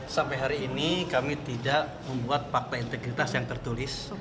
sampai hari ini kami tidak membuat fakta integritas yang tertulis